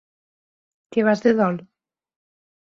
Que vas de dol?